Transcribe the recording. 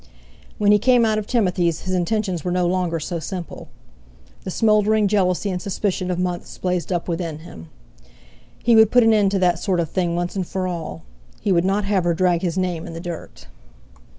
When he came out of Timothy's his intentions were no longer so simple. The smouldering jealousy and suspicion of months blazed up within him. He would put an end to that sort of thing once and for all; he would not have her drag his name in the dirt!